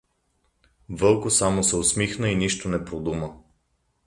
Вълко само се усмихна и нищо не продума.